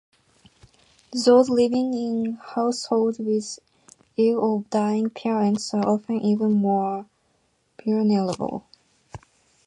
Those living in households with ill or dying parents are often even more vulnerable.